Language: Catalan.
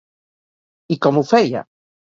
I com ho feia?